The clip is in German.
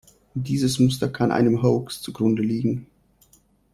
Dieses Muster kann einem Hoax zugrunde liegen.